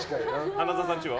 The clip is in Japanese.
花澤さんちは？